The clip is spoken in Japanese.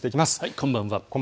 こんばんは。